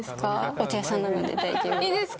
お茶屋さんなので、大丈夫です。